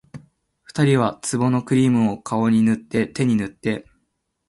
二人は壺のクリームを、顔に塗って手に塗って